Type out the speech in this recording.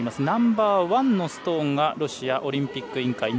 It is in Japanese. ナンバーワンのストーンがロシアオリンピック委員会。